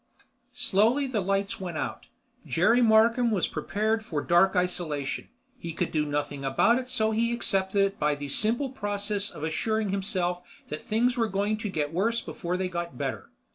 Slowly the lights went out. Jerry Markham was prepared for dark isolation, he could do nothing about it so he accepted it by the simple process of assuring himself that things were going to get worse before they got better.